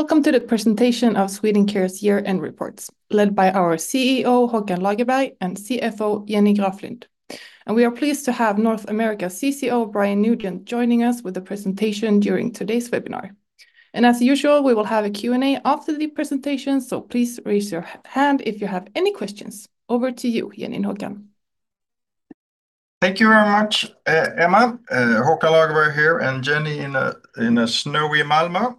Welcome to the presentation of Swedencare's year-end reports, led by our CEO, Håkan Lagerberg, and CFO, Jenny Grafflind. We are pleased to have North America CCO, Brian Nugent, joining us with a presentation during today's webinar. As usual, we will have a Q&A after the presentation, so please raise your hand if you have any questions. Over to you, Jenny and Håkan. Thank you very much, Emma. Håkan Lagerberg here, and Jenny in a snowy Malmö.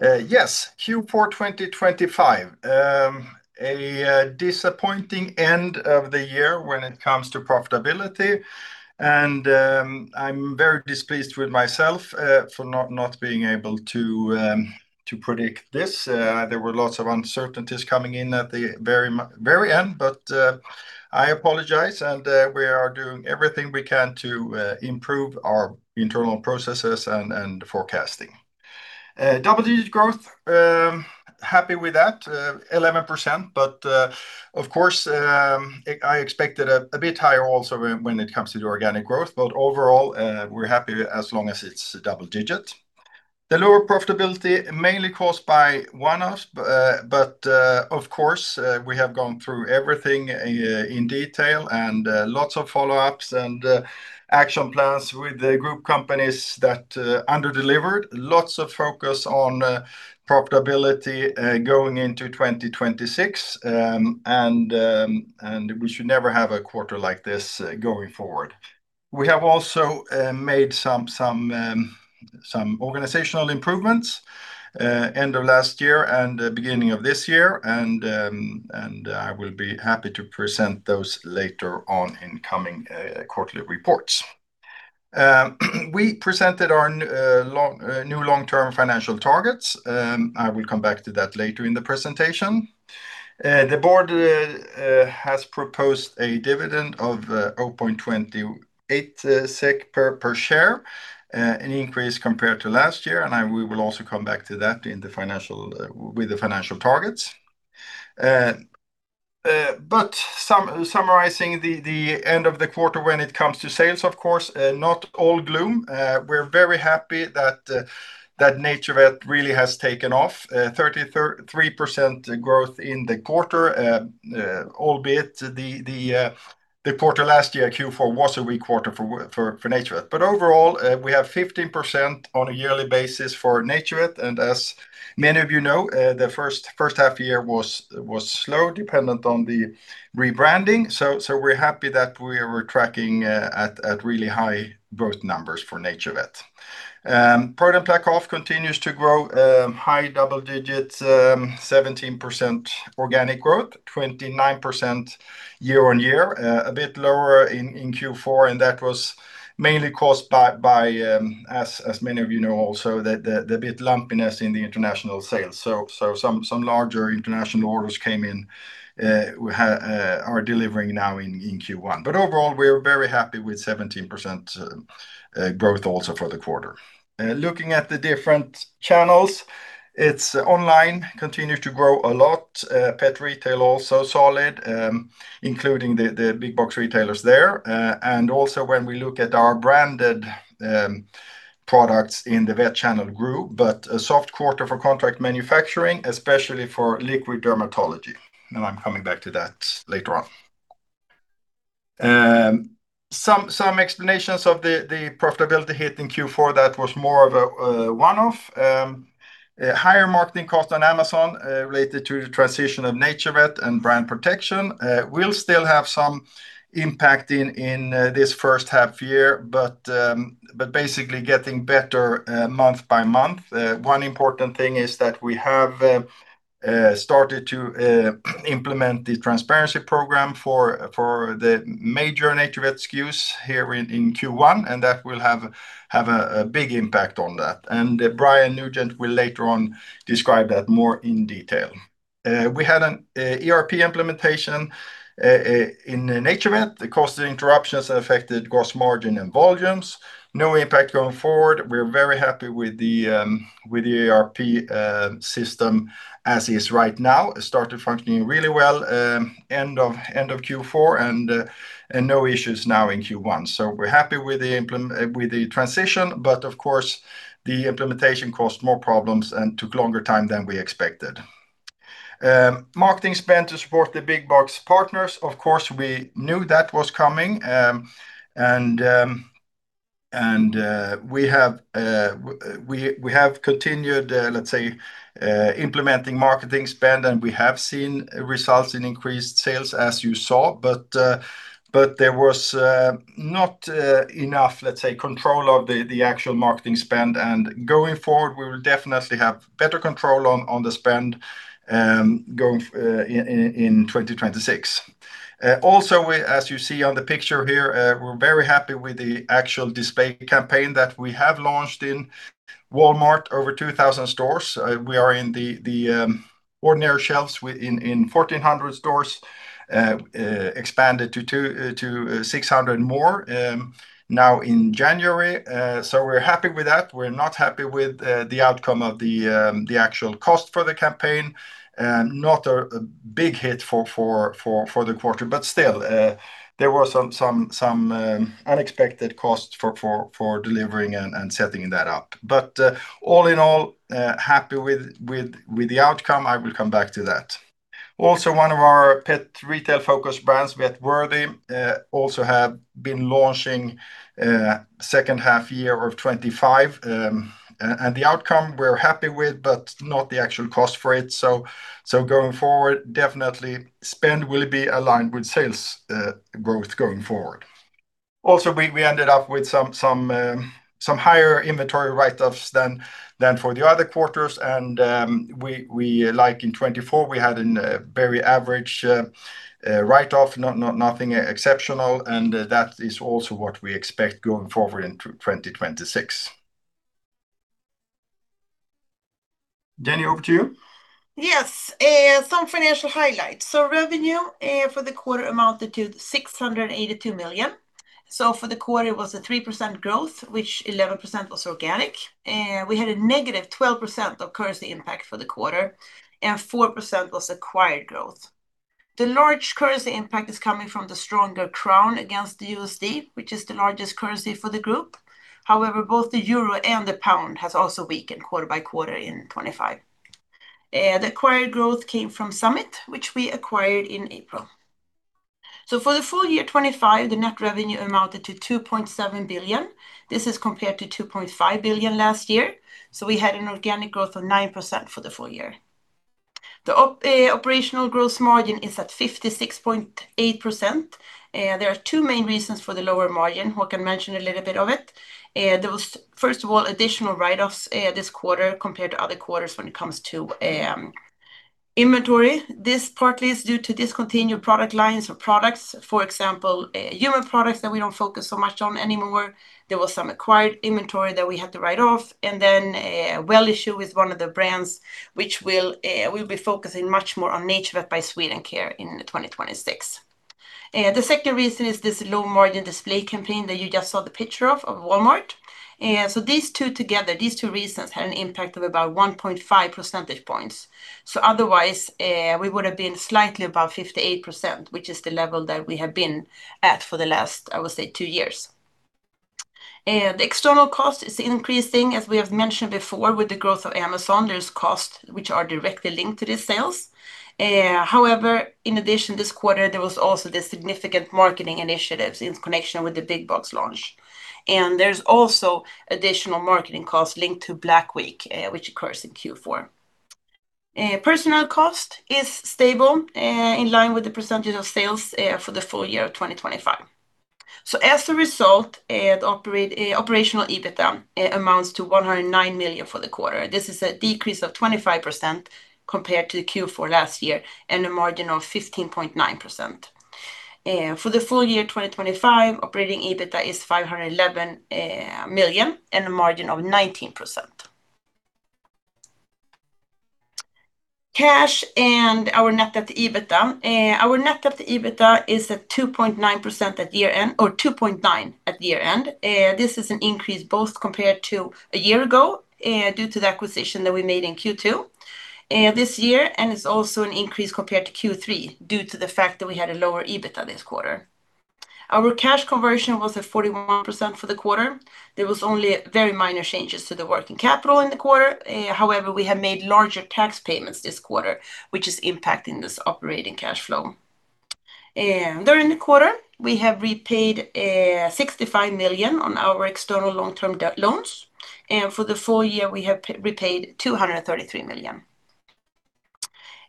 Yes, Q4 2025. A disappointing end of the year when it comes to profitability, and I'm very displeased with myself for not being able to predict this. There were lots of uncertainties coming in at the very end, but I apologize, and we are doing everything we can to improve our internal processes and forecasting. Double-digit growth, happy with that, 11%, but of course, I expected a bit higher also when it comes to the organic growth. But overall, we're happy as long as it's double digit. The lower profitability, mainly caused by one-offs, but of course, we have gone through everything in detail, and lots of follow-ups and action plans with the group companies that under-delivered. Lots of focus on profitability going into 2026. We should never have a quarter like this going forward. We have also made some organizational improvements end of last year and the beginning of this year, and I will be happy to present those later on in coming quarterly reports. We presented our new long-term financial targets. I will come back to that later in the presentation. The board has proposed a dividend of 0.28 SEK per share, an increase compared to last year, and we will also come back to that in the financial, with the financial targets. But summarizing the end of the quarter when it comes to sales, of course, not all gloom. We're very happy that NaturVet really has taken off. Three percent growth in the quarter, albeit the quarter last year, Q4, was a weak quarter for NaturVet. But overall, we have 15% on a yearly basis for NaturVet, and as many of you know, the first half year was slow, dependent on the rebranding. So we're happy that we were tracking at really high growth numbers for NaturVet. ProDen PlaqueOff continues to grow high double digits, 17% organic growth, 29% year-on-year. A bit lower in Q4, and that was mainly caused by, as many of you know also, the bit lumpiness in the international sales. So some larger international orders came in, we are delivering now in Q1. But overall, we're very happy with 17% growth also for the quarter. Looking at the different channels, it's online continue to grow a lot. Pet retail also solid, including the big box retailers there. And also when we look at our branded products in the vet channel group, but a soft quarter for contract manufacturing, especially for liquid dermatology, and I'm coming back to that later on. Some explanations of the profitability hit in Q4, that was more of a one-off. Higher marketing cost on Amazon related to the transition of NaturVet and brand protection. We'll still have some impact in this first half year, but basically getting better month by month. One important thing is that we have started to implement the Transparency program for the major NaturVet SKUs here in Q1, and that will have a big impact on that. And Brian Nugent will later on describe that more in detail. We had an ERP implementation in NaturVet. The cost of interruptions affected gross margin and volumes. No impact going forward. We're very happy with the ERP system as is right now. It started functioning really well end of Q4, and no issues now in Q1. So we're happy with the transition, but of course, the implementation caused more problems and took longer time than we expected. Marketing spend to support the big box partners, of course, we knew that was coming, and we have continued, let's say, implementing marketing spend, and we have seen results in increased sales, as you saw. But there was not enough, let's say, control of the actual marketing spend. Going forward, we will definitely have better control on the spend going forward in 2026. Also, as you see on the picture here, we're very happy with the actual display campaign that we have launched in Walmart, over 2,000 stores. We are in the ordinary shelves in 1,400 stores, expanded to 2,000, to 600 more now in January. So we're happy with that. We're not happy with the outcome of the actual cost for the campaign. Not a big hit for the quarter, but still, there were some unexpected costs for delivering and setting that up. But all in all, happy with the outcome. I will come back to that. Also, one of our pet retail-focused brands, Vet Worthy, also have been launching second half year of 2025. And, the outcome we're happy with, but not the actual cost for it. So, going forward, definitely spend will be aligned with sales growth going forward. Also, we ended up with some higher inventory write-offs than for the other quarters, and, we, like in 2024, we had a very average write-off, not nothing exceptional, and that is also what we expect going forward into 2026. Jenny, over to you. Yes, some financial highlights. So revenue for the quarter amounted to 682 million. So for the quarter, it was a 3% growth, which 11% was organic, and we had a negative 12% of currency impact for the quarter, and 4% was acquired growth. The large currency impact is coming from the stronger krona against the USD, which is the largest currency for the group. However, both the euro and the pound has also weakened quarter-by-quarter in 2025. The acquired growth came from Summit, which we acquired in April. So for the full year 2025, the net revenue amounted to 2.7 billion. This is compared to 2.5 billion last year. So we had an organic growth of 9% for the full year. The operational gross margin is at 56.8%. There are two main reasons for the lower margin. Håkan mentioned a little bit of it. There was, first of all, additional write-offs this quarter compared to other quarters when it comes to inventory. This partly is due to discontinued product lines or products, for example, human products that we don't focus so much on anymore. There was some acquired inventory that we had to write off, and then, WelliChews is one of the brands which we'll be focusing much more on NaturVet by Swedencare in 2026. The second reason is this low-margin display campaign that you just saw the picture of, of Walmart. And so these two together, these two reasons, had an impact of about 1.5 percentage points. So otherwise, we would have been slightly above 58%, which is the level that we have been at for the last, I would say, 2 years. The external cost is increasing, as we have mentioned before, with the growth of Amazon, there's costs which are directly linked to the sales. However, in addition, this quarter, there was also the significant marketing initiatives in connection with the big box launch. And there's also additional marketing costs linked to Black Week, which occurs in Q4. Personnel cost is stable, in line with the percentage of sales, for the full year of 2025. So as a result, at operational EBITDA, it amounts to 109 million for the quarter. This is a decrease of 25% compared to the Q4 last year, and a margin of 15.9%. For the full year 2025, operating EBITDA is 511 million, and a margin of 19%. Cash and our net debt to EBITDA, our net debt to EBITDA is at 2.9% at year-end or 2.9 at the year-end. This is an increase both compared to a year ago, due to the acquisition that we made in Q2, this year, and it's also an increase compared to Q3, due to the fact that we had a lower EBITDA this quarter. Our cash conversion was at 41% for the quarter. There was only very minor changes to the working capital in the quarter. However, we have made larger tax payments this quarter, which is impacting this operating cash flow. During the quarter, we have repaid 65 million on our external long-term debt loans, and for the full year, we have repaid 233 million.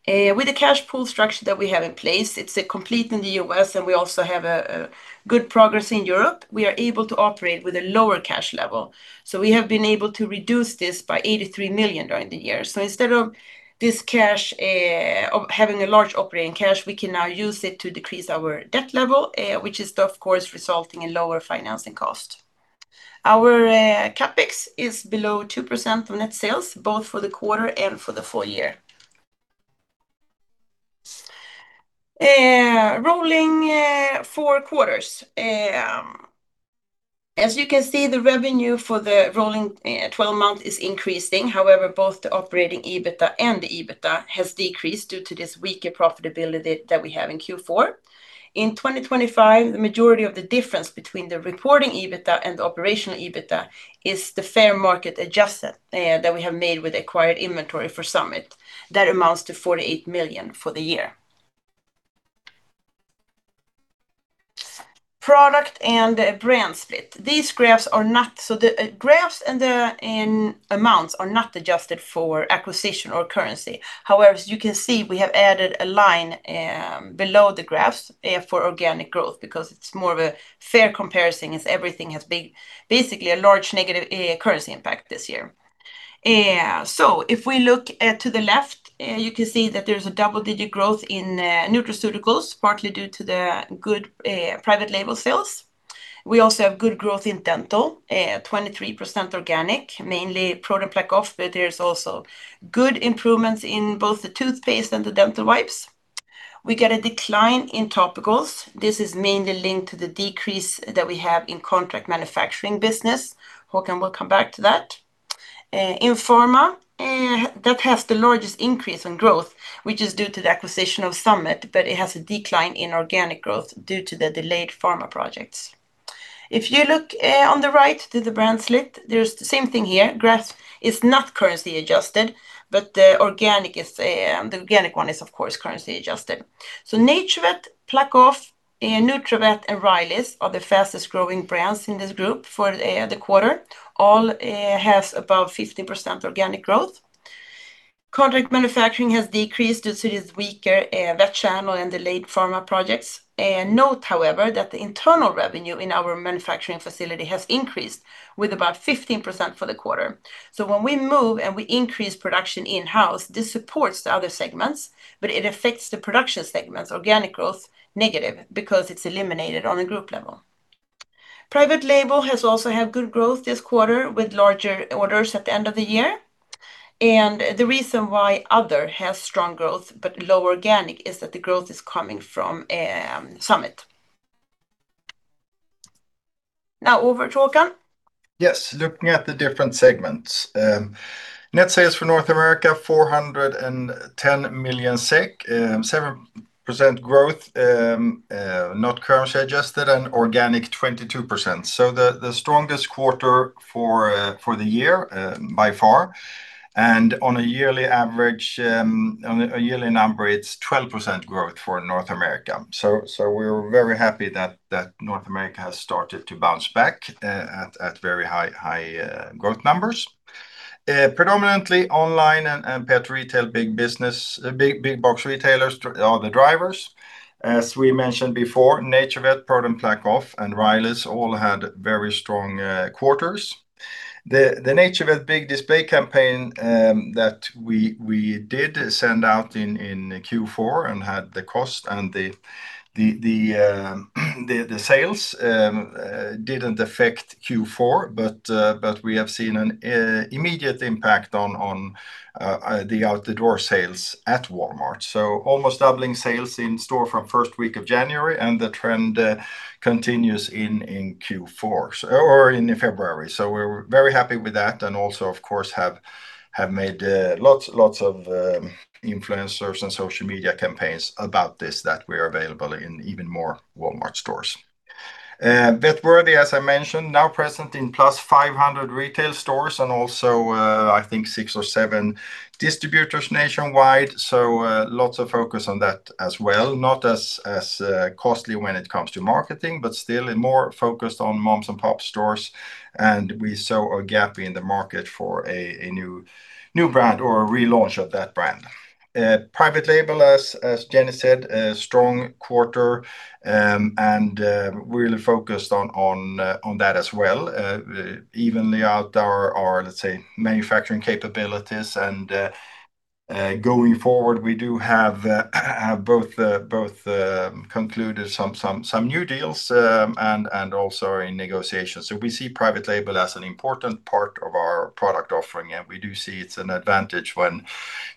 With the Cash Pool structure that we have in place, it's complete in the US, and we also have a good progress in Europe. We are able to operate with a lower cash level, so we have been able to reduce this by 83 million during the year. So instead of this cash of having a large operating cash, we can now use it to decrease our debt level, which is, of course, resulting in lower financing cost. Our CapEx is below 2% of net sales, both for the quarter and for the full year. Rolling 4 quarters. As you can see, the revenue for the rolling 12 months is increasing. However, both the operating EBITDA and the EBITDA has decreased due to this weaker profitability that we have in Q4. In 2025, the majority of the difference between the reporting EBITDA and the operational EBITDA is the fair market adjustment that we have made with acquired inventory for Summit. That amounts to 48 million for the year. Product and brand split. These graphs are not. So the graphs and the amounts are not adjusted for acquisition or currency. However, as you can see, we have added a line below the graphs for organic growth because it's more of a fair comparison as everything has been basically a large negative currency impact this year. So if we look to the left, you can see that there's a double-digit growth in nutraceuticals, partly due to the good private label sales. We also have good growth in dental, 23% organic, mainly Plaque Off, but there's also good improvements in both the toothpaste and the dental wipes. We get a decline in topicals. This is mainly linked to the decrease that we have in contract manufacturing business. Håkan will come back to that. In pharma, that has the largest increase in growth, which is due to the acquisition of Summit, but it has a decline in organic growth due to the delayed pharma projects. If you look on the right to the brand split, there's the same thing here. Gross is not currency adjusted, but the organic is, the organic one is, of course, currency adjusted. So NaturVet, PlaqueOff, and Nutravet, and Riley's are the fastest growing brands in this group for the quarter. All has above 15% organic growth. Contract manufacturing has decreased due to its weaker vet channel and delayed pharma projects. Note, however, that the internal revenue in our manufacturing facility has increased with about 15% for the quarter. So when we move and we increase production in-house, this supports the other segments, but it affects the production segment's organic growth negative because it's eliminated on a group level. Private label has also had good growth this quarter, with larger orders at the end of the year. And the reason why other has strong growth but low organic is that the growth is coming from Summit. Now over to Håkan. Yes, looking at the different segments, net sales for North America, 410 million SEK, 7% growth, not currency adjusted, and organic, 22%. So the strongest quarter for the year by far, and on a yearly average, on a yearly number, it's 12% growth for North America. So we're very happy that North America has started to bounce back at very high growth numbers. Predominantly online and pet retail, big business, big box retailers are the drivers. As we mentioned before, NaturVet, ProDen PlaqueOff, and Riley's all had very strong quarters. The NaturVet big display campaign that we did send out in Q4 and had the cost and the sales didn't affect Q4, but we have seen an immediate impact on the out-the-door sales at Walmart. So almost doubling sales in store from first week of January, and the trend continues in Q4 or in February. So we're very happy with that, and also, of course, have made lots of influencers and social media campaigns about this, that we are available in even more Walmart stores. Vet Worthy, as I mentioned, now present in plus 500 retail stores and also, I think six or seven distributors nationwide. So lots of focus on that as well. Not as costly when it comes to marketing, but still more focused on mom-and-pop stores, and we saw a gap in the market for a new brand or a relaunch of that brand. Private Label, as Jenny said, a strong quarter, and really focused on that as well, even out our, let's say, manufacturing capabilities. And going forward, we do have both concluded some new deals, and also are in negotiations. So we see Private Label as an important part of our product offering, and we do see it's an advantage when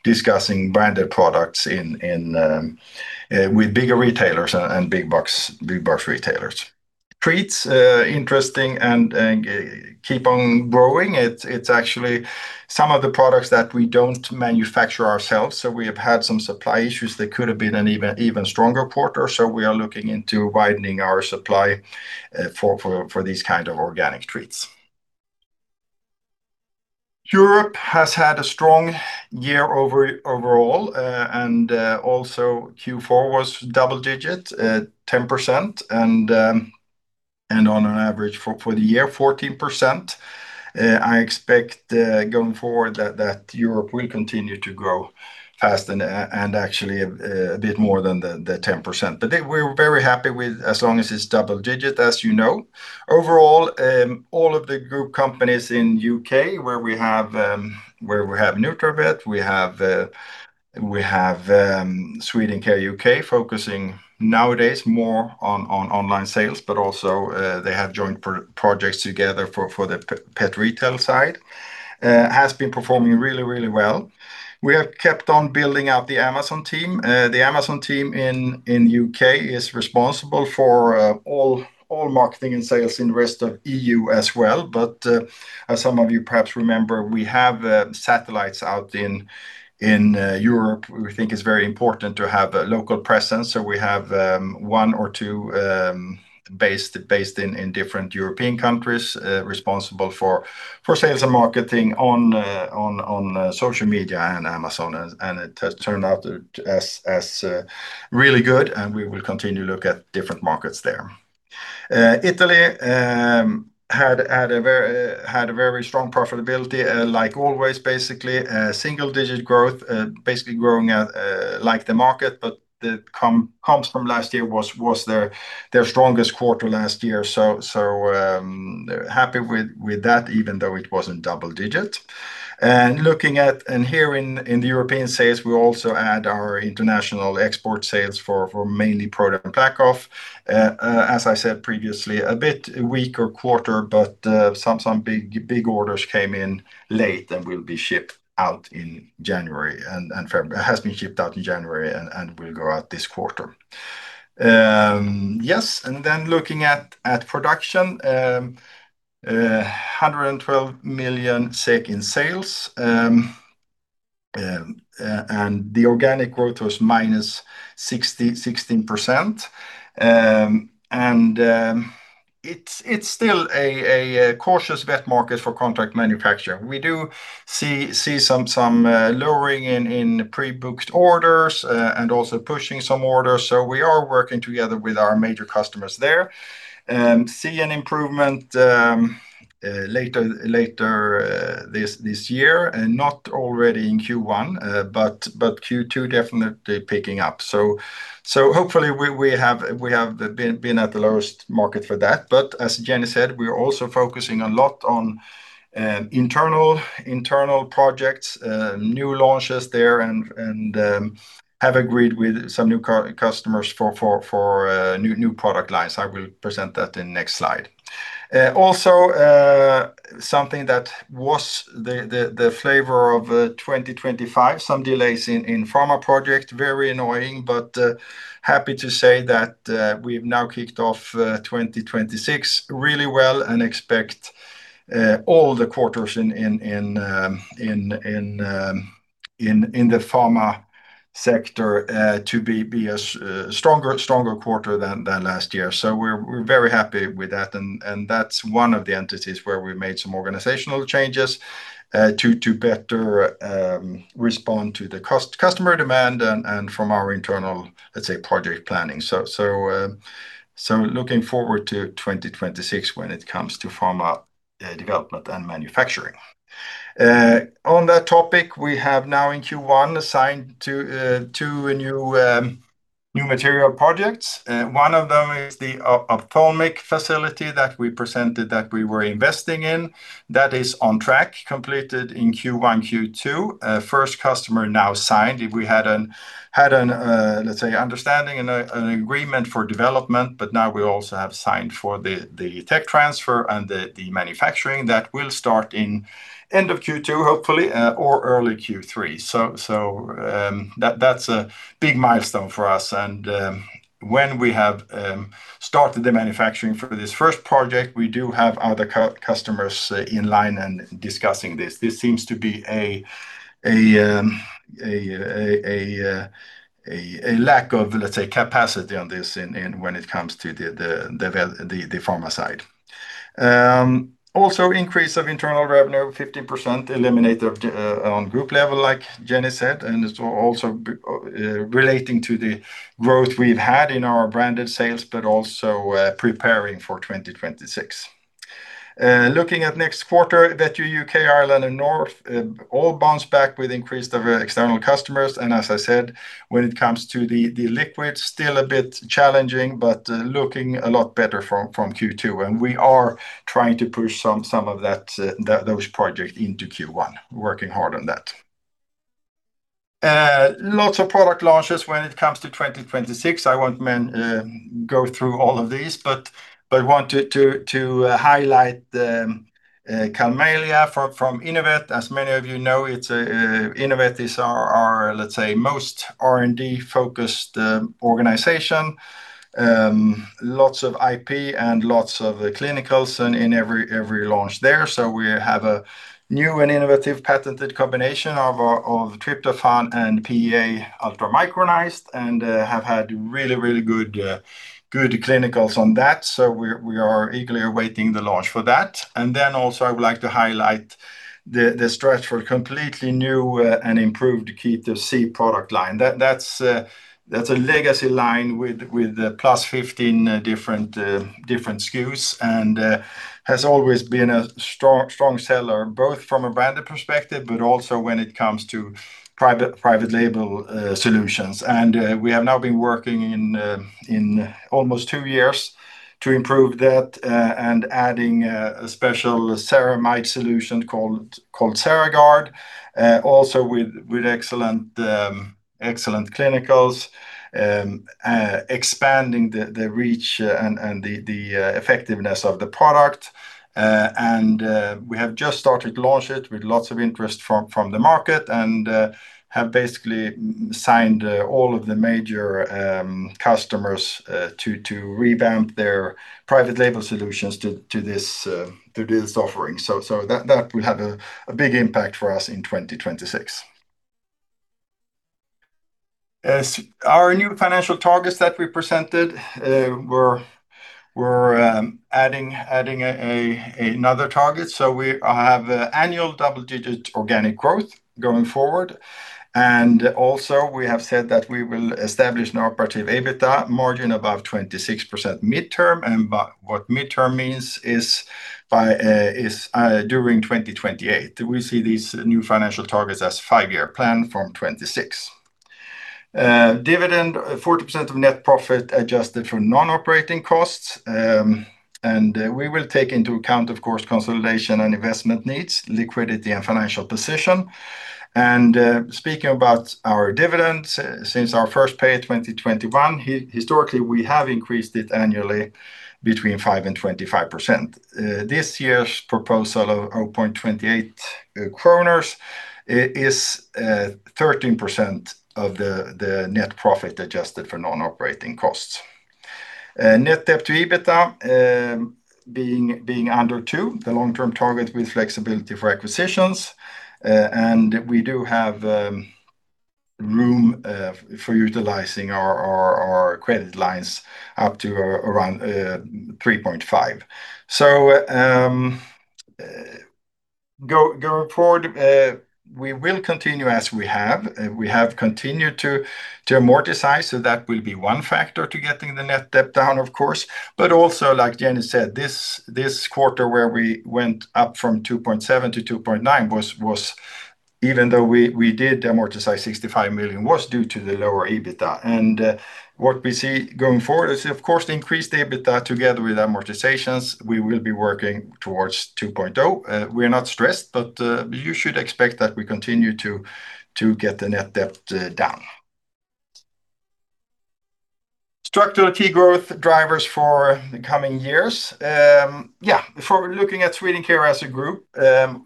discussing branded products with bigger retailers and big box retailers. Treats interesting and keep on growing. It's actually some of the products that we don't manufacture ourselves, so we have had some supply issues that could have been an even stronger quarter. So we are looking into widening our supply for these kind of organic treats. Europe has had a strong year overall, and also Q4 was double digit, 10%, and on an average for the year, 14%. I expect, going forward that Europe will continue to grow fast and actually a bit more than the 10%. But we're very happy with as long as it's double digit, as you know. Overall, all of the group companies in UK, where we have Nutravet, we have Swedencare UK, focusing nowadays more on online sales, but also, they have joint projects together for the pet retail side, has been performing really, really well. We have kept on building out the Amazon team. The Amazon team in UK is responsible for all marketing and sales in the rest of EU as well. But, as some of you perhaps remember, we have satellites out in Europe. We think it's very important to have a local presence, so we have one or two based in different European countries, responsible for sales and marketing on social media and Amazon. It has turned out as really good, and we will continue to look at different markets there. Italy had a very strong profitability, like always, basically, single-digit growth, basically growing at like the market, but the comps from last year was their strongest quarter last year. So, happy with that, even though it wasn't double-digit. Looking at here in the European sales, we also add our international export sales for mainly ProDen PlaqueOff. As I said previously, a bit weaker quarter, but some big orders came in late and will be shipped out in January, and February has been shipped out in January and will go out this quarter. Yes, and then looking at production, 112 million SEK in sales. And the organic growth was -16%. And it's still a cautious pet market for contract manufacture. We do see some lowering in pre-booked orders and also pushing some orders. So we are working together with our major customers there. See an improvement later this year, and not already in Q1, but Q2 definitely picking up. So hopefully, we have been at the lowest market for that. But as Jenny said, we are also focusing a lot on internal projects, new launches there, and have agreed with some new customers for new product lines. I will present that in next slide. Also, something that was the flavor of 2025, some delays in pharma project. Very annoying, but happy to say that we've now kicked off 2026 really well and expect all the quarters in the pharma sector to be a stronger quarter than last year. So we're very happy with that, and that's one of the entities where we made some organizational changes to better respond to the customer demand and from our internal, let's say, project planning. So looking forward to 2026 when it comes to pharma development and manufacturing. On that topic, we have now in Q1 assigned two new material projects. One of them is the ophthalmic facility that we presented that we were investing in. That is on track, completed in Q1, Q2. First customer now signed. We had an understanding and an agreement for development, but now we also have signed for the tech transfer and the manufacturing that will start in end of Q2, hopefully, or early Q3. So, that's a big milestone for us. When we have started the manufacturing for this first project, we do have other customers in line and discussing this. This seems to be a lack of, let's say, capacity on this when it comes to the pharma side. Also increase of internal revenue, 15% eliminated on group level, like Jenny said, and it's also relating to the growth we've had in our branded sales, but also preparing for 2026. Looking at next quarter, VetUK, Ireland, and North all bounce back with increased of external customers. And as I said, when it comes to the liquids, still a bit challenging, but looking a lot better from Q2, and we are trying to push some of those projects into Q1. Working hard on that. Lots of product launches when it comes to 2026. I won't go through all of these, but wanted to highlight the Calmalia from Innovet. As many of you know, it's Innovet is our let's say most R&D-focused organization. Lots of IP and lots of clinicals in every launch there. So we have a new and innovative patented combination of tryptophan and PEA ultra-micronized, and have had really good clinicals on that. So we're eagerly awaiting the launch for that. And then also, I would like to highlight the stretch for completely new and improved Keto-C product line. That's a legacy line with +15 different SKUs, and has always been a strong seller, both from a branded perspective, but also when it comes to private label solutions. And we have now been working in almost two years to improve that and adding a special ceramide solution called CeraGuard. Also with excellent clinicals, expanding the reach and the effectiveness of the product. And we have just started launch it with lots of interest from the market and have basically signed all of the major customers to revamp their private label solutions to this offering. So that will have a big impact for us in 2026. As our new financial targets that we presented, we're adding another target. So we have an annual double-digit organic growth going forward. And also, we have said that we will establish an operative EBITDA margin above 26% midterm, and what midterm means is during 2028. We see these new financial targets as five-year plan from 2026. Dividend 40% of net profit adjusted for non-operating costs. And we will take into account, of course, consolidation and investment needs, liquidity, and financial position. Speaking about our dividends, since our first pay in 2021, historically, we have increased it annually between 5 and 25%. This year's proposal of 0.28 kronor is 13% of the net profit adjusted for non-operating costs. Net debt to EBITDA being under 2, the long-term target with flexibility for acquisitions. And we do have room for utilizing our credit lines up to around 3.5. So, going forward, we will continue as we have. We have continued to amortize, so that will be one factor to getting the net debt down, of course. But also, like Jenny said, this quarter, where we went up from 2.7-2.9 was, even though we did amortize 65 million, was due to the lower EBITDA. What we see going forward is, of course, the increased EBITDA together with amortizations, we will be working towards 2.0. We are not stressed, but you should expect that we continue to get the net debt down. Structural key growth drivers for the coming years. Yeah, if we're looking at Swedencare as a group,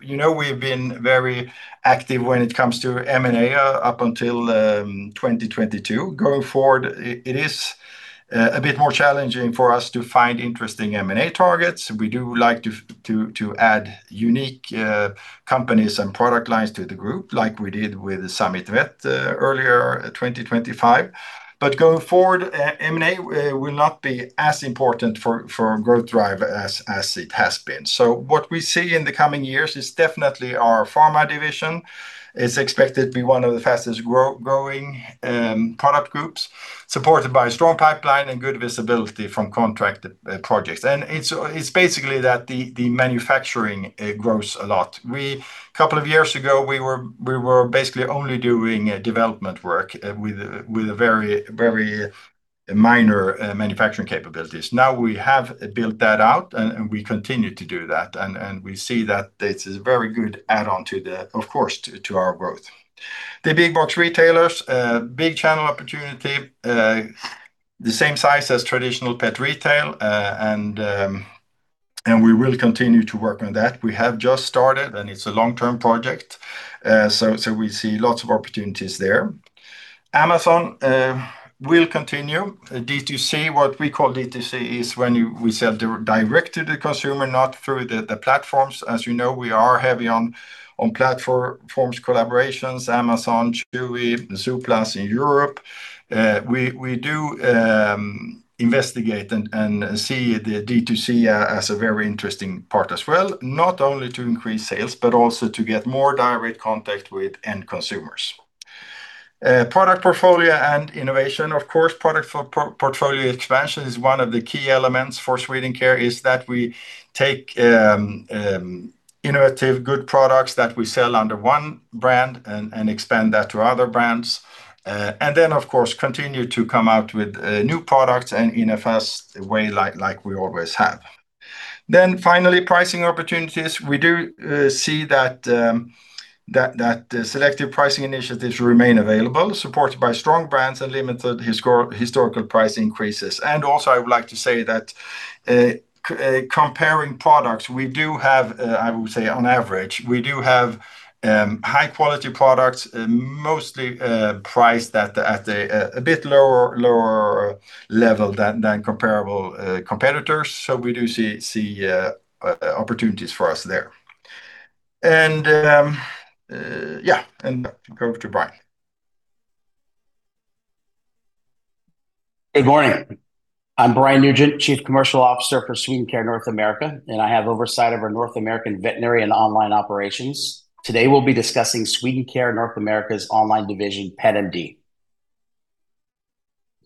you know, we've been very active when it comes to M&A up until 2022. Going forward, it is a bit more challenging for us to find interesting M&A targets. We do like to add unique companies and product lines to the group, like we did with the Summit Vet earlier 2025. But going forward, M&A will not be as important for growth driver as it has been. So what we see in the coming years is definitely our pharma division. It's expected to be one of the fastest growing product groups, supported by a strong pipeline and good visibility from contracted projects. And it's basically that the manufacturing grows a lot. A couple of years ago, we were basically only doing development work with a very, very minor manufacturing capabilities. Now, we have built that out, and we continue to do that, and we see that this is a very good add-on to, of course, to our growth. The big box retailers, big channel opportunity, the same size as traditional pet retail. And we will continue to work on that. We have just started, and it's a long-term project. So we see lots of opportunities there. Amazon will continue. D2C, what we call D2C, is when we sell direct to the consumer, not through the platforms. As you know, we are heavy on platforms, collaborations, Amazon, Chewy, Zooplus in Europe. We do investigate and see the D2C as a very interesting part as well, not only to increase sales, but also to get more direct contact with end consumers. Product portfolio and innovation. Of course, product portfolio expansion is one of the key elements for Swedencare, is that we take innovative, good products that we sell under one brand and expand that to other brands. And then, of course, continue to come out with new products and in a fast way, like we always have. Then finally, pricing opportunities. We do see that selective pricing initiatives remain available, supported by strong brands and limited historical price increases. And also, I would like to say that comparing products, we do have, I would say on average, we do have high-quality products, mostly priced at a bit lower level than comparable competitors. So we do see opportunities for us there. And yeah, and go to Brian. Good morning! I'm Brian Nugent, Chief Commercial Officer for Swedencare North America, and I have oversight of our North American veterinary and online operations. Today, we'll be discussing Swedencare North America's online division, PetMD.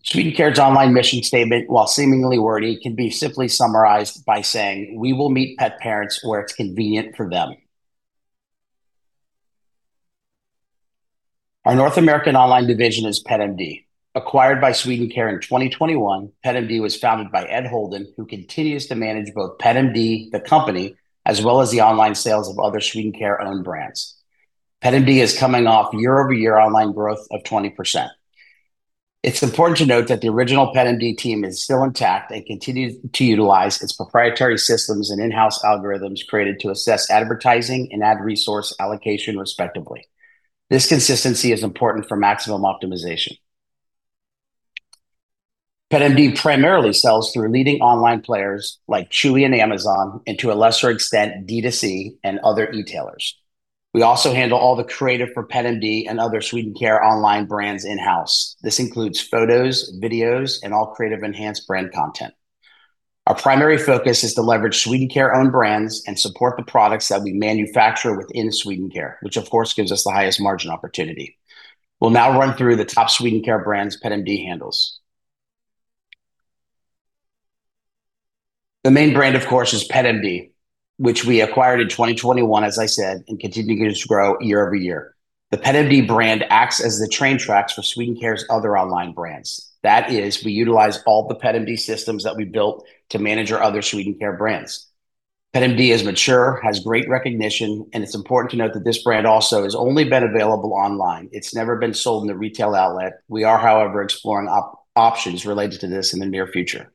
Swedencare's online mission statement, while seemingly wordy, can be simply summarized by saying: We will meet pet parents where it's convenient for them. Our North American online division is PetMD. Acquired by Swedencare in 2021, PetMD was founded by Ed Holden, who continues to manage both PetMD, the company, as well as the online sales of other Swedencare-owned brands. PetMD is coming off year-over-year online growth of 20%. It's important to note that the original PetMD team is still intact and continues to utilize its proprietary systems and in-house algorithms created to assess advertising and ad resource allocation, respectively. This consistency is important for maximum optimization. PetMD primarily sells through leading online players like Chewy and Amazon, and to a lesser extent, D2C and other e-tailers. We also handle all the creative for PetMD and other Swedencare online brands in-house. This includes photos, videos, and all creative enhanced brand content. Our primary focus is to leverage Swedencare-owned brands and support the products that we manufacture within Swedencare, which of course, gives us the highest margin opportunity. We'll now run through the top Swedencare brands PetMD handles. The main brand, of course, is PetMD, which we acquired in 2021, as I said, and continues to grow year over year. The PetMD brand acts as the train tracks for Swedencare's other online brands. That is, we utilize all the PetMD systems that we built to manage our other Swedencare brands. PetMD is mature, has great recognition, and it's important to note that this brand also has only been available online. It's never been sold in a retail outlet. We are, however, exploring options related to this in the near future.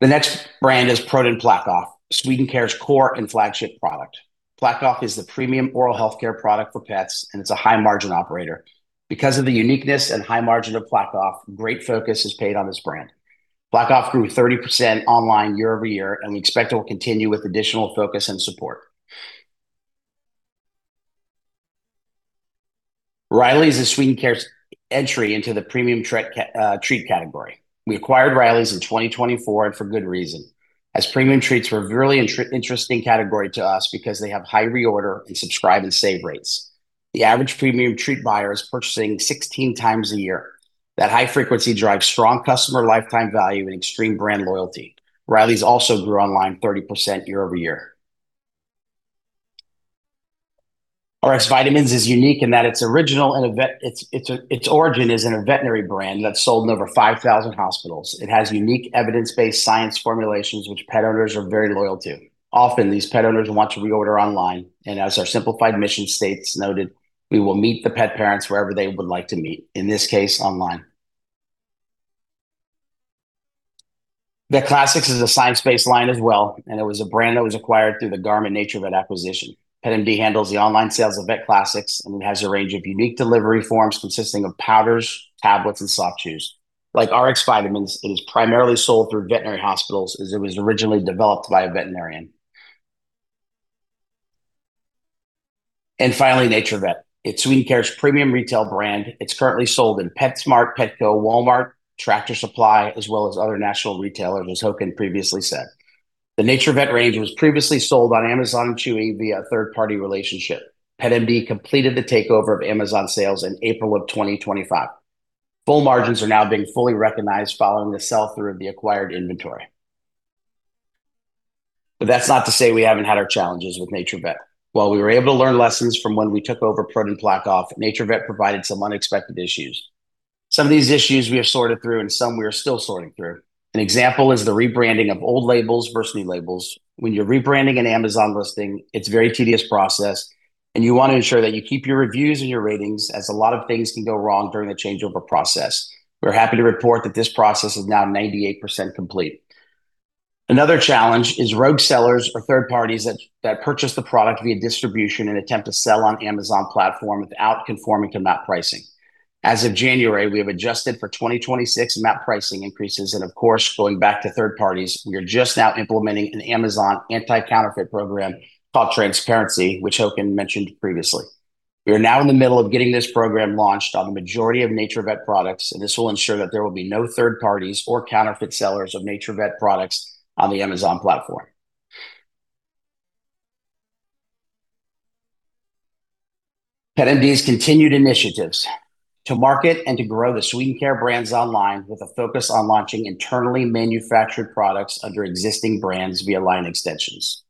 The next brand is ProDen PlaqueOff, Swedencare's core and flagship product. PlaqueOff is the premium oral healthcare product for pets, and it's a high-margin operator. Because of the uniqueness and high margin of PlaqueOff, great focus is paid on this brand. PlaqueOff grew 30% online year-over-year, and we expect it will continue with additional focus and support. Riley's is Swedencare's entry into the premium treat category. We acquired Riley's in 2024, and for good reason, as premium treats were a really interesting category to us because they have high reorder and subscribe and save rates. The average premium treat buyer is purchasing 16 times a year. That high frequency drives strong customer lifetime value and extreme brand loyalty. Riley's also grew online 30% year-over-year. Rx Vitamins is unique in that it's original and a vet—its origin is in a veterinary brand that's sold in over 5,000 hospitals. It has unique evidence-based science formulations, which pet owners are very loyal to. Often, these pet owners want to reorder online, and as our simplified mission states noted, "We will meet the pet parents wherever they would like to meet," in this case, online. The Classics is a science-based line as well, and it was a brand that was acquired through the Garmon NaturVet acquisition. PetMD handles the online sales of Vet Classics, and it has a range of unique delivery forms consisting of powders, tablets, and soft chews. Like Rx Vitamins, it is primarily sold through veterinary hospitals, as it was originally developed by a veterinarian. And finally, NaturVet. It's Swedencare's premium retail brand. It's currently sold in PetSmart, Petco, Walmart, Tractor Supply, as well as other national retailers, as Håkan previously said. The NaturVet range was previously sold on Amazon and Chewy via a third-party relationship. PetMD completed the takeover of Amazon sales in April of 2025. Full margins are now being fully recognized following the sell-through of the acquired inventory. But that's not to say we haven't had our challenges with NaturVet. While we were able to learn lessons from when we took over ProDen PlaqueOff, NaturVet provided some unexpected issues. Some of these issues we have sorted through, and some we are still sorting through. An example is the rebranding of old labels versus new labels. When you're rebranding an Amazon listing, it's a very tedious process, and you wanna ensure that you keep your reviews and your ratings, as a lot of things can go wrong during the changeover process. We're happy to report that this process is now 98% complete. Another challenge is rogue sellers or third parties that purchase the product via distribution and attempt to sell on Amazon platform without conforming to MAP pricing. As of January, we have adjusted for 2026 MAP pricing increases, and of course, going back to third parties, we are just now implementing an Amazon anti-counterfeit program called Transparency, which Håkan mentioned previously. We are now in the middle of getting this program launched on the majority of NaturVet products, and this will ensure that there will be no third parties or counterfeit sellers of NaturVet products on the Amazon platform. PetMD's continued initiatives: to market and to grow the Swedencare brands online, with a focus on launching internally manufactured products under existing brands via line extensions.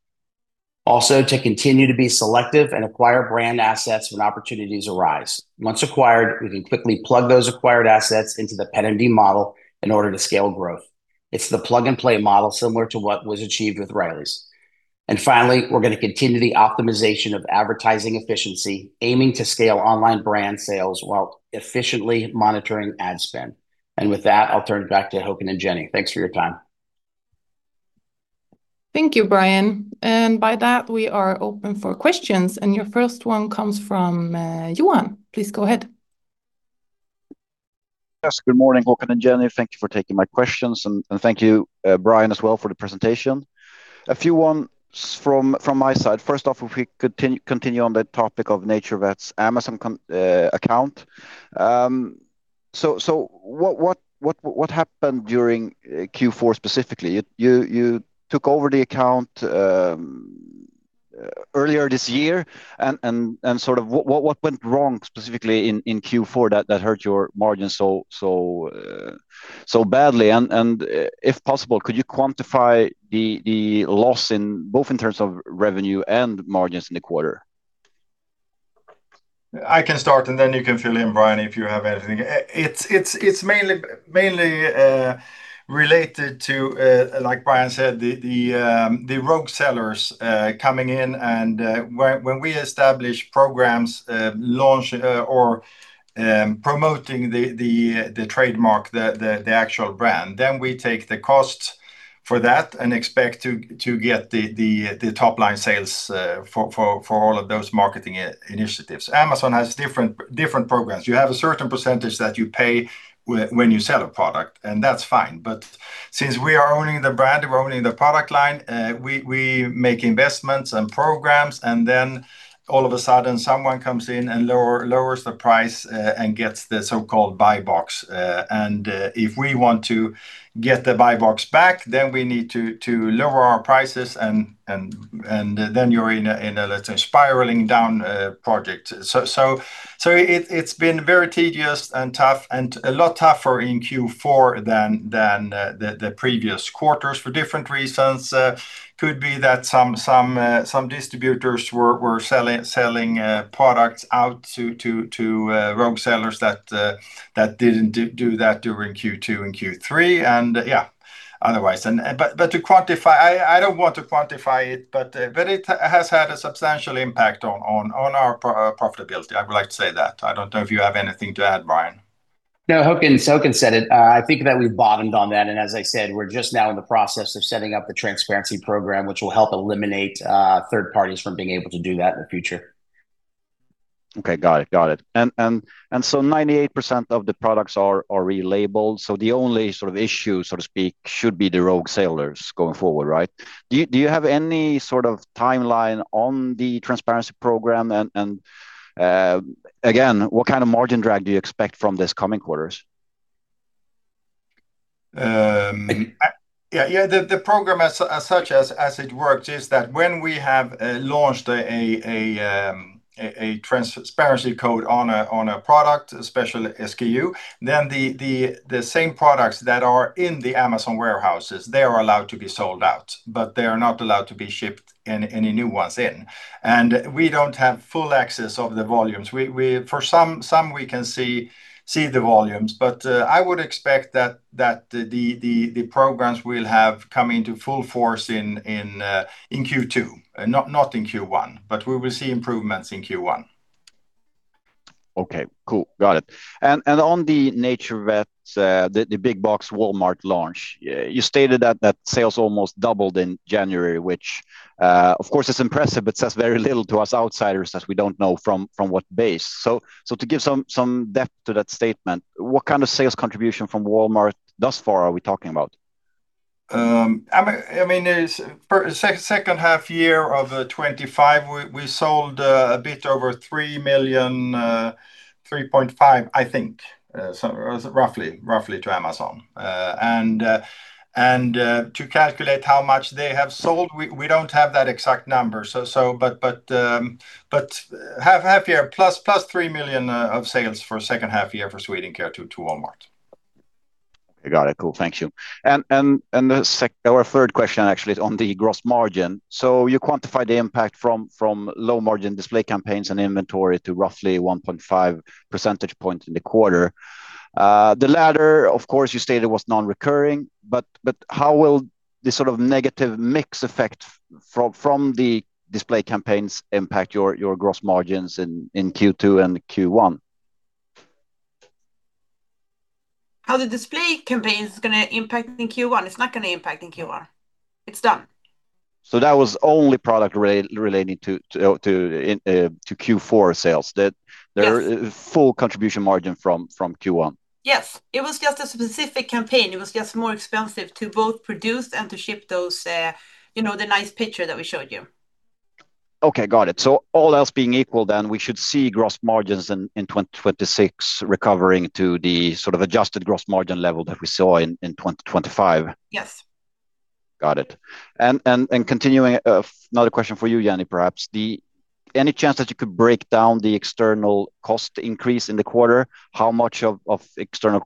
Also, to continue to be selective and acquire brand assets when opportunities arise. Once acquired, we can quickly plug those acquired assets into the PetMD model in order to scale growth. It's the plug-and-play model, similar to what was achieved with Riley's. And finally, we're gonna continue the optimization of advertising efficiency, aiming to scale online brand sales while efficiently monitoring ad spend. And with that, I'll turn it back to Håkan and Jenny. Thanks for your time. Thank you, Brian. And by that, we are open for questions, and your first one comes from Johan. Please go ahead. Yes, good morning, Håkan and Jenny. Thank you for taking my questions, and thank you, Brian, as well, for the presentation. A few ones from my side. First off, if we continue on the topic of NaturVet's Amazon account. So, what happened during Q4 specifically? You took over the account earlier this year, and sort of what went wrong specifically in Q4 that hurt your margin so badly? And if possible, could you quantify the loss in both in terms of revenue and margins in the quarter? I can start, and then you can fill in, Brian, if you have anything. It's mainly related to, like Brian said, the rogue sellers coming in, and when we establish programs, launch, or promoting the trademark, the actual brand, then we take the cost for that and expect to get the top-line sales for all of those marketing initiatives. Amazon has different programs. You have a certain percentage that you pay when you sell a product, and that's fine. But since we are owning the brand, we're owning the product line, we make investments and programs, and then all of a sudden, someone comes in and lowers the price, and gets the so-called Buy Box. If we want to get the Buy Box back, then we need to lower our prices, and then you're in a, let's say, spiraling down project. So it it's been very tedious and tough and a lot tougher in Q4 than the previous quarters for different reasons. Could be that some distributors were selling products out to rogue sellers that didn't do that during Q2 and Q3, and yeah, otherwise. But to quantify, I don't want to quantify it, but it has had a substantial impact on our profitability. I would like to say that. I don't know if you have anything to add, Brian? No, Håkan, so Håkan said it. I think that we've bottomed on that, and as I said, we're just now in the process of setting up the Transparency program, which will help eliminate third parties from being able to do that in the future. Okay, got it. Got it. So 98% of the products are relabeled, so the only sort of issue, so to speak, should be the rogue sellers going forward, right? Do you have any sort of timeline on the Transparency program? And again, what kind of margin drag do you expect from this coming quarters? Yeah, yeah, the program as such as it works is that when we have launched a Transparency code on a product, a special SKU, then the same products that are in the Amazon warehouses, they are allowed to be sold out, but they are not allowed to be shipped any new ones in. And we don't have full access of the volumes. We for some we can see the volumes, but I would expect that the programs will have come into full force in Q2, not in Q1, but we will see improvements in Q1. Okay, cool. Got it. And on the NaturVet, the big box Walmart launch, yeah, you stated that sales almost doubled in January, which of course is impressive, but says very little to us outsiders, as we don't know from what base. So to give some depth to that statement, what kind of sales contribution from Walmart thus far are we talking about? I mean, it's second half year of 2025, we sold a bit over 3 million, 3.5, I think, so roughly to Amazon. And to calculate how much they have sold, we don't have that exact number. But half year plus 3 million of sales for second half year for Swedencare to Walmart. Okay, got it. Cool. Thank you. Our third question actually is on the gross margin. So you quantify the impact from low-margin display campaigns and inventory to roughly 1.5 percentage points in the quarter. The latter, of course, you stated was non-recurring, but how will this sort of negative mix effect from the display campaigns impact your gross margins in Q2 and Q1? How the display campaign is gonna impact in Q1? It's not gonna impact in Q1. It's done. So that was only product relating to Q4 sales. That- Yes. There are full contribution margin from, from Q1. Yes, it was just a specific campaign. It was just more expensive to both produce and to ship those, you know, the nice picture that we showed you. Okay, got it. So all else being equal, then, we should see gross margins in 2026 recovering to the sort of adjusted gross margin level that we saw in 2025? Yes. Got it. And continuing, another question for you, Jenny, perhaps, any chance that you could break down the external cost increase in the quarter? How much of external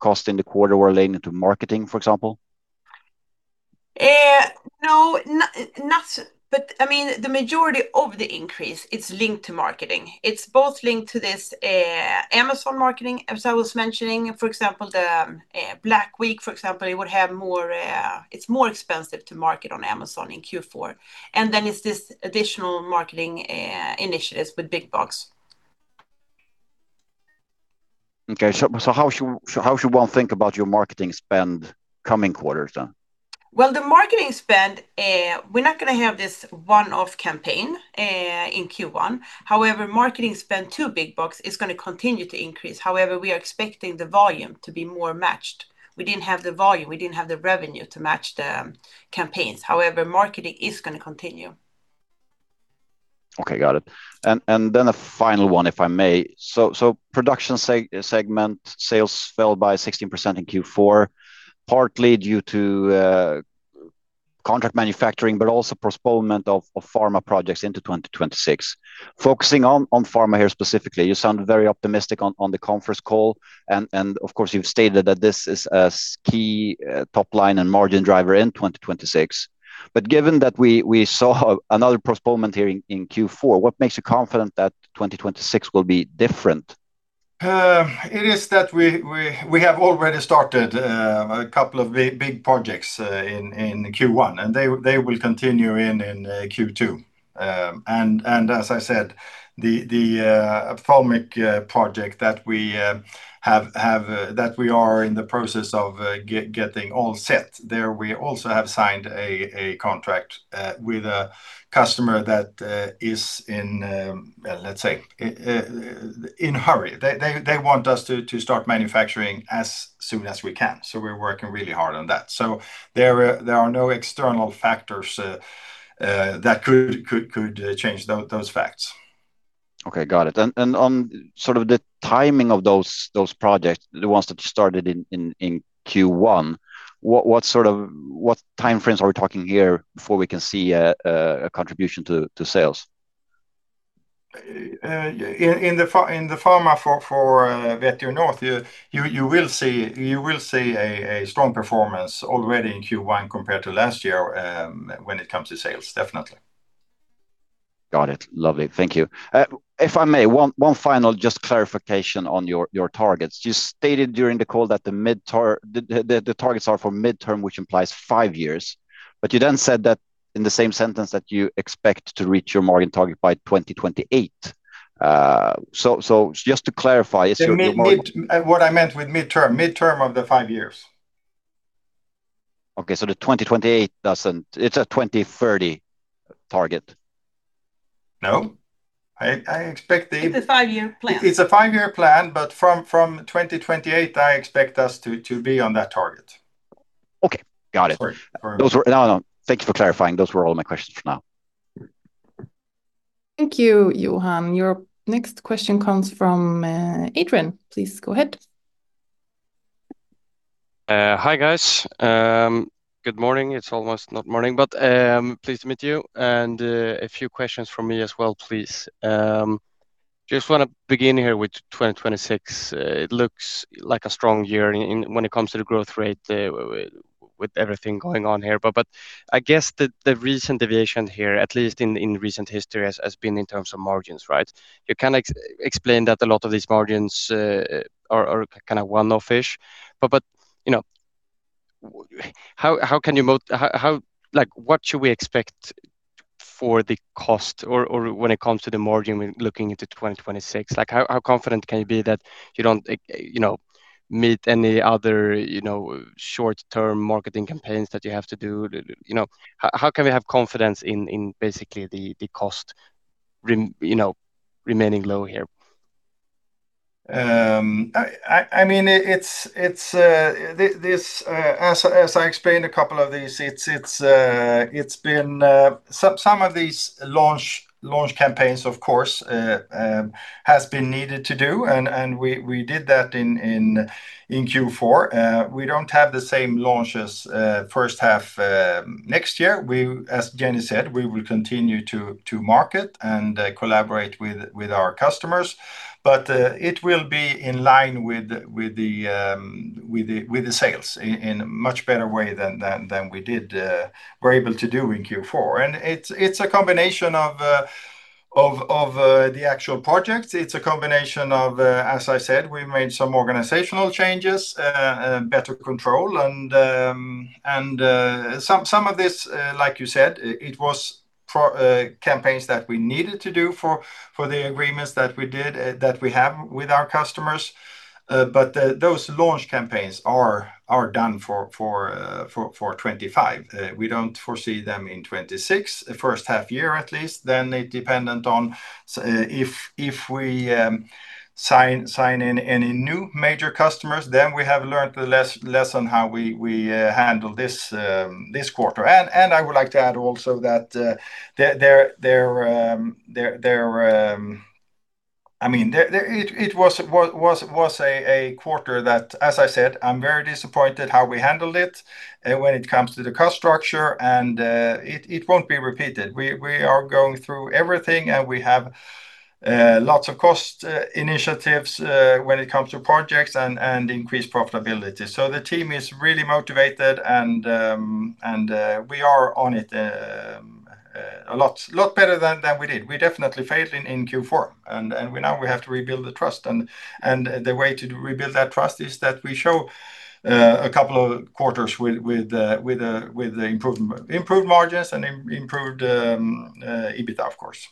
cost in the quarter were relating to marketing, for example? No, not but, I mean, the majority of the increase, it's linked to marketing. It's both linked to this, Amazon marketing, as I was mentioning, for example, the Black Week, for example, it would have more... It's more expensive to market on Amazon in Q4, and then it's this additional marketing initiatives with big box. Okay. So how should one think about your marketing spend coming quarters, then? Well, the marketing spend, we're not gonna have this one-off campaign in Q1. However, marketing spend to big box is gonna continue to increase. However, we are expecting the volume to be more matched. We didn't have the volume, we didn't have the revenue to match the campaigns. However, marketing is gonna continue. Okay, got it. And then the final one, if I may. So production segment sales fell by 16% in Q4, partly due to contract manufacturing, but also postponement of pharma projects into 2026. Focusing on pharma here specifically, you sound very optimistic on the conference call, and of course, you've stated that this is a key top line and margin driver in 2026. But given that we saw another postponement here in Q4, what makes you confident that 2026 will be different? It is that we have already started a couple of big projects in Q1, and they will continue in Q2. As I said, the ophthalmic project that we have, that we are in the process of getting all set there, we also have signed a contract with a customer that is in, let's say, in a hurry. They want us to start manufacturing as soon as we can, so we're working really hard on that. So there are no external factors that could change those facts. Okay, got it. And on sort of the timing of those projects, the ones that you started in Q1, what sort of—what time frames are we talking here before we can see a contribution to sales? In the pharma for Veterinary North, you will see a strong performance already in Q1 compared to last year, when it comes to sales, definitely. Got it. Lovely. Thank you. If I may, one final just clarification on your targets. You stated during the call that the midterm targets are for midterm, which implies five years, but you then said in the same sentence that you expect to reach your margin target by 2028. So just to clarify, is your- What I meant with midterm, midterm of the five years. Okay, so the 2028 doesn't-- It's a 2030 target? No, I expect the- It's a five-year plan. It's a five-year plan, but from 2028, I expect us to be on that target. Okay, got it. Sorry. No, no. Thank you for clarifying. Those were all my questions for now. Thank you, Johan. Your next question comes from Adrian. Please go ahead. Hi, guys. Good morning. It's almost not morning, but pleased to meet you, and a few questions from me as well, please. Just wanna begin here with 2026. It looks like a strong year in when it comes to the growth rate, with everything going on here. But I guess the recent deviation here, at least in recent history, has been in terms of margins, right? You kinda explain that a lot of these margins are kinda one-off-ish. But you know, how can you... How... Like, what should we expect for the cost or when it comes to the margin when looking into 2026? Like, how confident can you be that you don't you know meet any other you know short-term marketing campaigns that you have to do? You know, how can we have confidence in basically the cost you know remaining low here? I mean, it's this, as I explained a couple of these, it's been. Some of these launch campaigns, of course, has been needed to do, and we did that in Q4. We don't have the same launches first half next year. We, as Jenny said, will continue to market and collaborate with our customers, but it will be in line with the sales in a much better way than we did, we're able to do in Q4. And it's a combination of the actual projects. It's a combination of, as I said, we made some organizational changes, better control, and some of this, like you said, it was promo campaigns that we needed to do for the agreements that we did, that we have with our customers. But those launch campaigns are done for 2025. We don't foresee them in 2026, the first half year, at least. Then it dependent on if we sign any new major customers, then we have learned the lesson how we handle this quarter. And I would like to add also that, the there there... I mean, it was a quarter that, as I said, I'm very disappointed how we handled it when it comes to the cost structure, and it won't be repeated. We are going through everything, and we have lots of cost initiatives when it comes to projects and increased profitability. So the team is really motivated, and we are on it a lot better than we did. We definitely failed in Q4, and we now have to rebuild the trust, and the way to rebuild that trust is that we show a couple of quarters with improved margins and improved EBITDA, of course.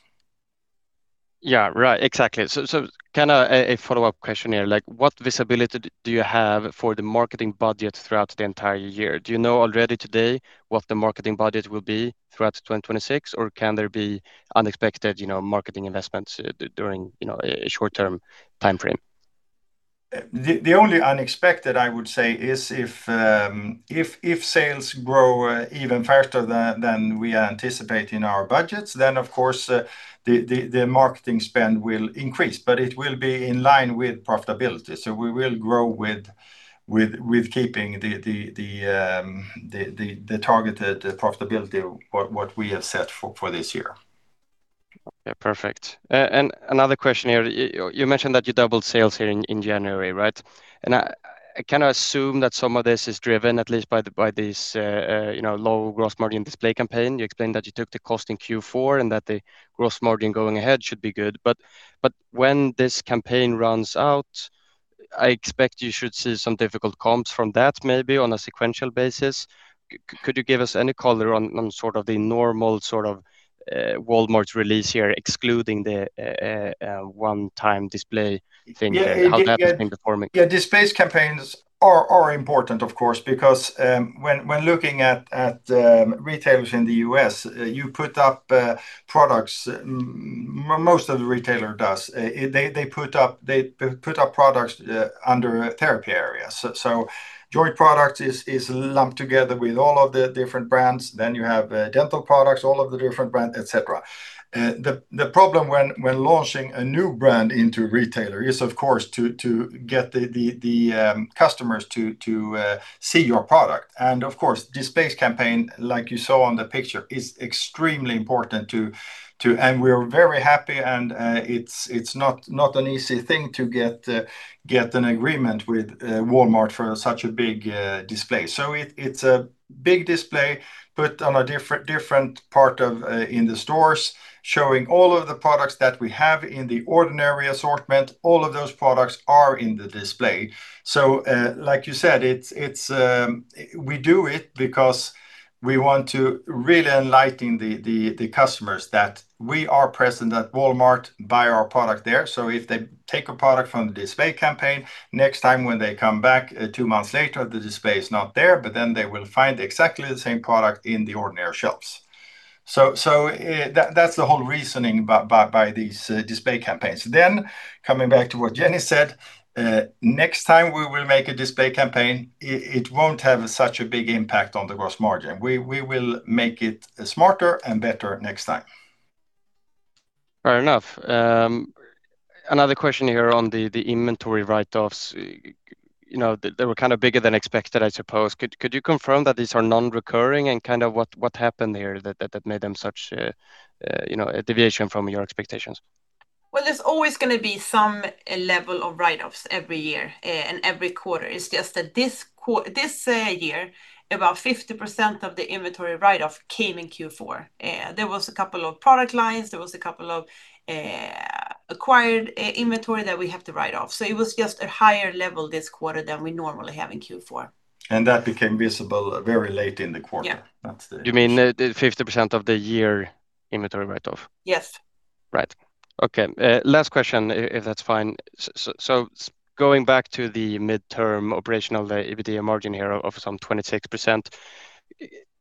Yeah, right. Exactly. So, kinda a follow-up question here: like, what visibility do you have for the marketing budget throughout the entire year? Do you know already today what the marketing budget will be throughout 2026, or can there be unexpected, you know, marketing investments during, you know, a short-term time frame? The only unexpected I would say is if sales grow even faster than we anticipate in our budgets, then, of course, the marketing spend will increase, but it will be in line with profitability. So we will grow with keeping the targeted profitability, what we have set for this year. Yeah, perfect. And another question here. You mentioned that you doubled sales here in January, right? And I kinda assume that some of this is driven, at least by this, you know, low gross margin display campaign. You explained that you took the cost in Q4, and that the gross margin going ahead should be good. But when this campaign runs out, I expect you should see some difficult comps from that, maybe on a sequential basis. Could you give us any color on sort of the normal sort of Walmart release here, excluding the one-time display thing? Yeah. How that has been performing. Yeah, display campaigns are important, of course, because when looking at retailers in the U.S., you put up products, most of the retailer does. They put up products under a therapy area. So joint product is lumped together with all of the different brands. Then you have dental products, all of the different brands, et cetera. The problem when launching a new brand into retailer is, of course, to get the customers to see your product. And of course, display campaign, like you saw on the picture, is extremely important. And we are very happy, and it's not an easy thing to get an agreement with Walmart for such a big display. So it's a big display, but on a different part of in the stores, showing all of the products that we have in the ordinary assortment. All of those products are in the display. So, like you said, it's, it's we do it because we want to really enlighten the customers that we are present at Walmart, buy our product there. So if they take a product from the display campaign, next time when they come back, 2 months later, the display is not there, but then they will find exactly the same product in the ordinary shelves. So that's the whole reasoning by these display campaigns. Then coming back to what Jenny said, next time we will make a display campaign, it won't have such a big impact on the gross margin. We will make it smarter and better next time. Fair enough. Another question here on the inventory write-offs. You know, they were kind of bigger than expected, I suppose. Could you confirm that these are non-recurring and kind of what happened there that made them such, you know, a deviation from your expectations? Well, there's always going to be some level of write-offs every year, and every quarter. It's just that this year, about 50% of the inventory write-off came in Q4. There was a couple of product lines, there was a couple of acquired inventory that we have to write off. So it was just a higher level this quarter than we normally have in Q4. That became visible very late in the quarter. Yeah. That's the- You mean the 50% of the year inventory write-off? Yes. Right. Okay, last question, if that's fine. So, going back to the midterm operational, the EBITDA margin here of some 26%,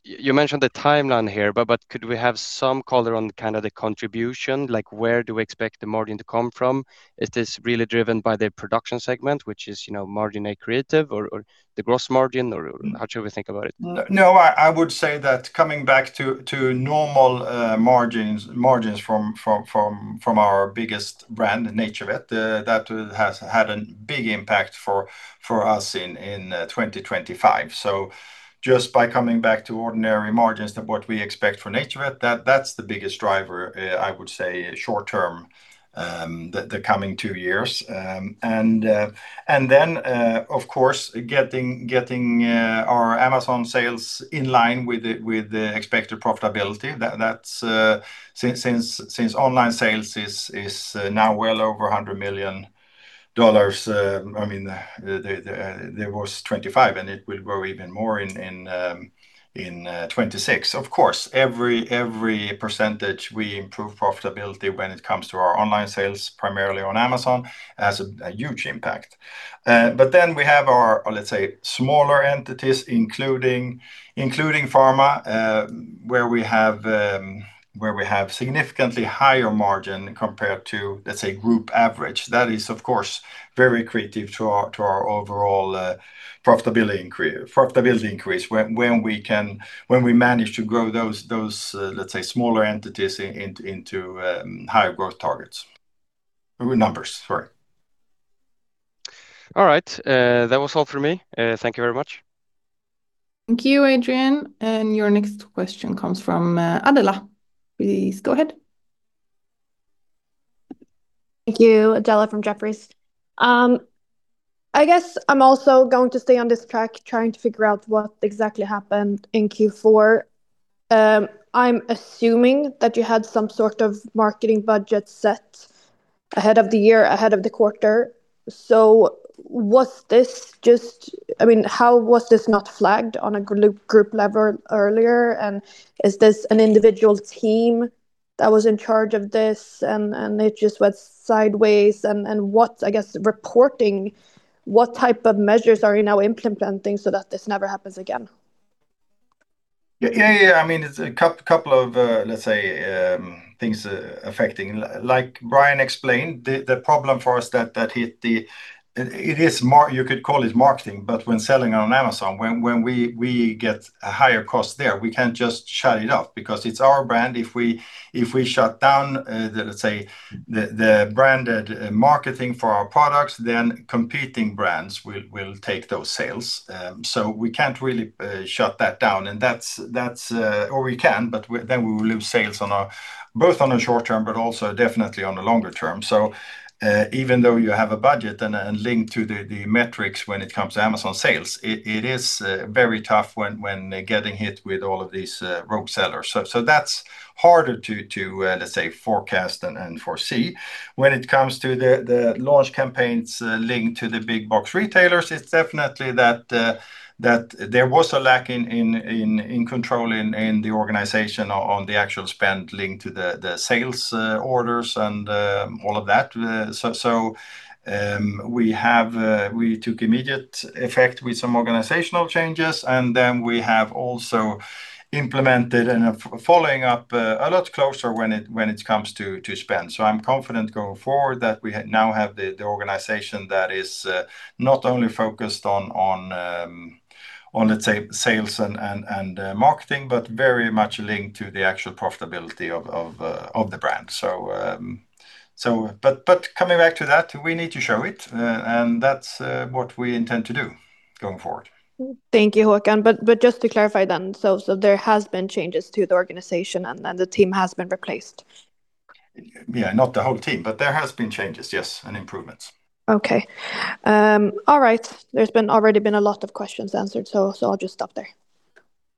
you mentioned the timeline here, but could we have some color on kind of the contribution? Like, where do we expect the margin to come from? Is this really driven by the production segment, which is, you know, margin accretive or the gross margin, or how should we think about it? No, I would say that coming back to normal margins from our biggest brand, NaturVet, that has had a big impact for us in 2025. So just by coming back to ordinary margins than what we expect for NaturVet, that's the biggest driver, I would say short term, the coming two years. And then, of course, getting our Amazon sales in line with the expected profitability, that's, since online sales is now well over $100 million, I mean, there was $25 million, and it will grow even more in 2026. Of course, every % we improve profitability when it comes to our online sales, primarily on Amazon, has a huge impact. But then we have our, let's say, smaller entities, including pharma, where we have significantly higher margin compared to, let's say, group average. That is, of course, very accretive to our overall profitability increase, when we manage to grow those, let's say, smaller entities into higher growth targets. Numbers, sorry. All right, that was all for me. Thank you very much. Thank you, Adrian. And your next question comes from, Adela. Please, go ahead. Thank you. Adela from Jefferies. I guess I'm also going to stay on this track, trying to figure out what exactly happened in Q4. I'm assuming that you had some sort of marketing budget set ahead of the year, ahead of the quarter. So was this just... I mean, how was this not flagged on a group level earlier? And is this an individual team that was in charge of this, and it just went sideways? And what, I guess reporting, what type of measures are you now implementing so that this never happens again? Yeah, yeah, I mean, it's a couple of, let's say, things affecting. Like Brian explained, the problem for us that hit. It is mar- you could call it marketing, but when selling on Amazon, when we get a higher cost there, we can't just shut it off because it's our brand. If we shut down, let's say, the branded marketing for our products, then competing brands will take those sales. So we can't really shut that down, and that's-- or we can, but then we will lose sales both on a short term, but also definitely on a longer term. So, even though you have a budget and linked to the metrics when it comes to Amazon sales, it is very tough when getting hit with all of these rogue sellers. So, that's harder to, let's say, forecast and foresee. When it comes to the launch campaigns linked to the big box retailers, it's definitely that there was a lack in control in the organization on the actual spend linked to the sales orders and all of that. So, we took immediate effect with some organizational changes, and then we have also implemented and following up a lot closer when it comes to spend. I'm confident going forward that we now have the organization that is not only focused on sales and marketing, but very much linked to the actual profitability of the brand. But coming back to that, we need to show it, and that's what we intend to do going forward. Thank you, Håkan. But just to clarify then, so there has been changes to the organization, and then the team has been replaced?... Yeah, not the whole team, but there has been changes, yes, and improvements. Okay. All right. There's already been a lot of questions answered, so I'll just stop there.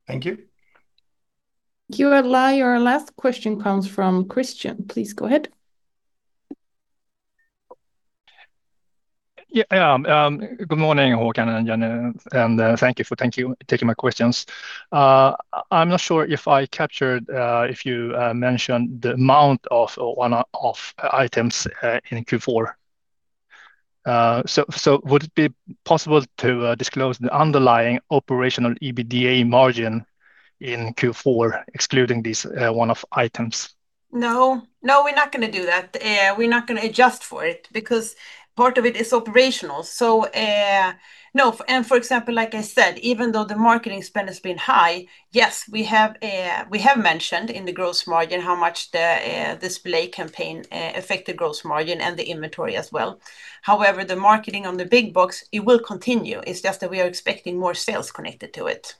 Thank you. Thank you. Our last question comes from Christian. Please go ahead. Yeah, good morning, Håkan and Jenny, and thank you for taking my questions. I'm not sure if I captured if you mentioned the amount of one-off items in Q4. So, would it be possible to disclose the underlying operational EBITDA margin in Q4, excluding these one-off items? No, no, we're not going to do that. We're not going to adjust for it because part of it is operational. So, no, and for example, like I said, even though the marketing spend has been high, yes, we have, we have mentioned in the gross margin how much the display campaign affected gross margin and the inventory as well. However, the marketing on the big box, it will continue. It's just that we are expecting more sales connected to it.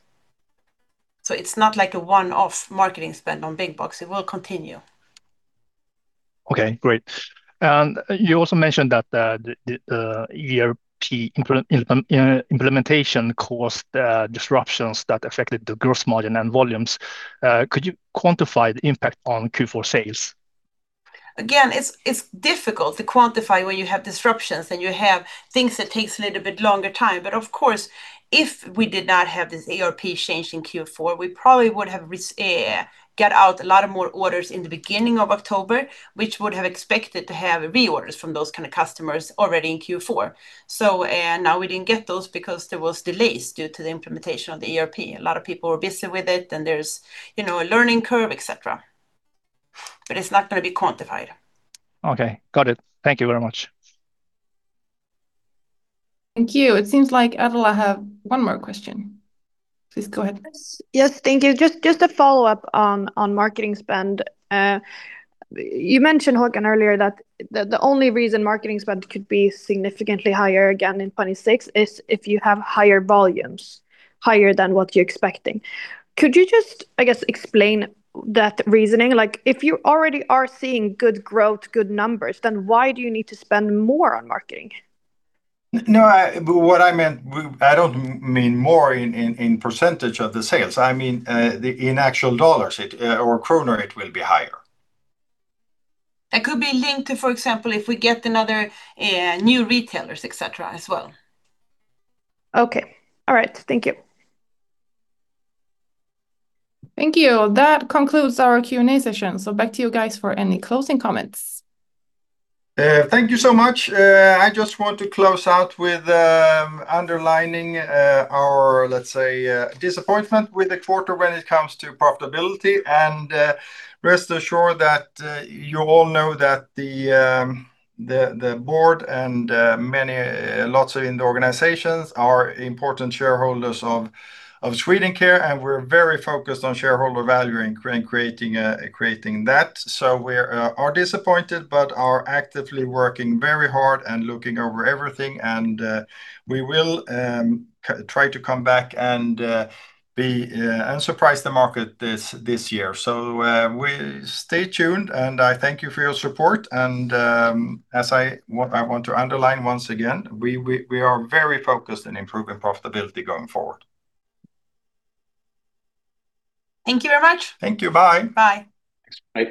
So it's not like a one-off marketing spend on big box. It will continue. Okay, great. And you also mentioned that the ERP implementation caused disruptions that affected the gross margin and volumes. Could you quantify the impact on Q4 sales? Again, it's difficult to quantify when you have disruptions, and you have things that takes a little bit longer time. But of course, if we did not have this ERP change in Q4, we probably would have get out a lot of more orders in the beginning of October, which would have expected to have reorders from those kind of customers already in Q4. So, now we didn't get those because there was delays due to the implementation of the ERP. A lot of people were busy with it, and there's, you know, a learning curve, et cetera. But it's not going to be quantified. Okay, got it. Thank you very much. Thank you. It seems like Adela have one more question. Please go ahead. Yes, thank you. Just a follow-up on marketing spend. You mentioned, Håkan, earlier, that the only reason marketing spend could be significantly higher again in 2026 is if you have higher volumes, higher than what you're expecting. Could you just, I guess, explain that reasoning? Like, if you already are seeing good growth, good numbers, then why do you need to spend more on marketing? No, what I meant, I don't mean more in percentage of the sales. I mean, in actual dollars or kronor, it will be higher. That could be linked to, for example, if we get another new retailers, et cetera, as well. Okay. All right, thank you. Thank you. That concludes our Q&A session. So back to you guys for any closing comments. Thank you so much. I just want to close out with underlining our, let's say, disappointment with the quarter when it comes to profitability. And rest assured that you all know that the board and many lots in the organizations are important shareholders of Swedencare, and we're very focused on shareholder value and creating that. So we're disappointed but are actively working very hard and looking over everything, and we will try to come back and surprise the market this year. So stay tuned, and I thank you for your support, and as I want, I want to underline once again, we are very focused on improving profitability going forward. Thank you very much. Thank you. Bye. Bye. Thanks.